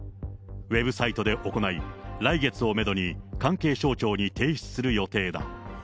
ウェブサイトで行い、来月をメドに、関係省庁に提出する予定だ。